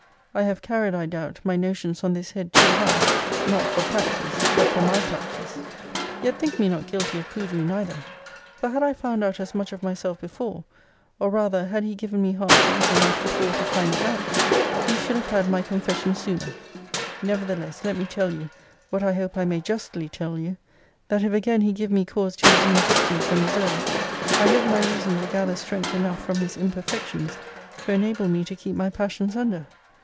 I have carried, I doubt, my notions on this head too high, not for practice, but for my practice. Yet think me not guilty of prudery neither; for had I found out as much of myself before; or, rather, had he given me heart's ease enough before to find it out, you should have had my confession sooner. * See Vol. IV. Letter XXXIV. See Vol. I. Letter XII. See Vol. IV. Letter XIX, & seq. Nevertheless, let me tell you (what I hope I may justly tell you,) that if again he give me cause to resume distance and reserve, I hope my reason will gather strength enough from his imperfections to enable me to keep my passions under.